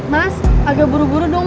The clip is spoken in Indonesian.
mas agak buru buru dong